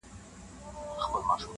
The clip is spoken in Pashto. بې اختیاره وړي په پښو کي بېړۍ ورو ورو-